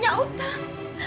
saya tuh punya hutang